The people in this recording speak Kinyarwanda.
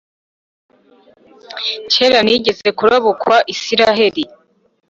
Kera nigeze kurabukwa Israheli,